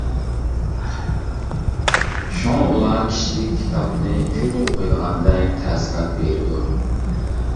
شۇڭا ئۇلار كىشىگە كىتابنى كۆپ ئوقۇيدىغاندەك تەسىرات بېرىدۇ.